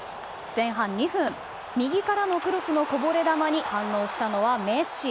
前半２分、右からのクロスのこぼれ球に反応したのはメッシ。